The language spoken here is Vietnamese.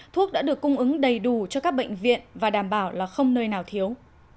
thuốc đã được cung ứng đầy đủ cho các bệnh viện và đảm bảo là không nơi nào thiếu